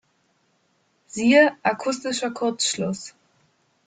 Siehe: akustischer Kurzschluss.